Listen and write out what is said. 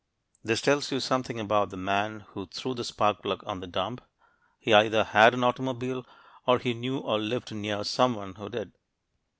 This tells you something about the man who threw the spark plug on the dump. He either had an automobile, or he knew or lived near someone who did.